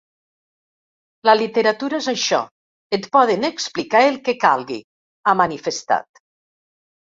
La literatura és això, et poden explicar el que calgui, ha manifestat.